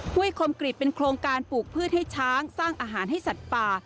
้วยคมกรีตเป็นโครงการปลูกพืชให้ช้างสร้างอาหารให้สัตว์ป่า